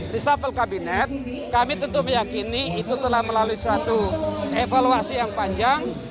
reshuffle kabinet kami tentu meyakini itu telah melalui suatu evaluasi yang panjang